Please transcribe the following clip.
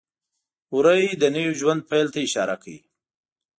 وری د نوي ژوند پیل ته اشاره کوي.